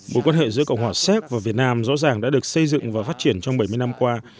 mối quan hệ giữa cộng hòa séc và việt nam rõ ràng đã được xây dựng và phát triển trong bảy mươi năm qua